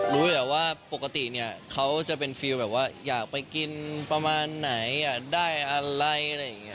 รู้อยู่แล้วว่าปกติเนี่ยเขาจะเป็นฟิลแบบว่าอยากไปกินประมาณไหนอยากได้อะไรอะไรอย่างนี้